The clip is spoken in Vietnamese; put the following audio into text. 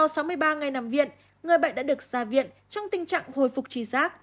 sau sáu mươi ba ngày nằm viện người bệnh đã được ra viện trong tình trạng hồi phục trì rác